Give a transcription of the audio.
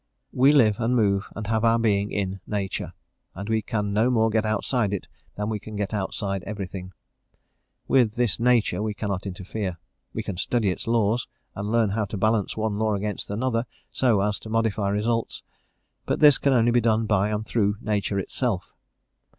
We live, and move, and have our being in nature; and we can no more get outside it than we can get outside everything. With this nature we cannot interfere: we can study its laws, and learn how to balance one law against another, so as to modify results; but this can only be done by and through nature itself.